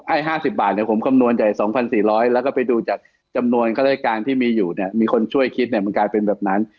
ไอ้ห้าสิบบาทเนี่ยผมคำนวณใจสองพันสี่ร้อยแล้วก็ไปดูจากจำนวนก็ได้การที่มีอยู่เนี่ยมีคนช่วยคิดเนี่ยมันกลายเป็นแบบนั้น